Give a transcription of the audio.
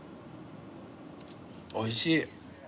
おいしい。